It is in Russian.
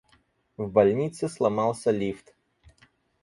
В больнице сломался лифт.